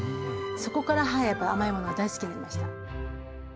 そこからはいやっぱ甘いものが大好きになりました。